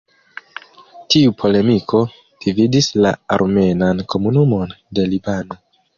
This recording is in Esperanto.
Tiu polemiko dividis la armenan komunumon de Libano.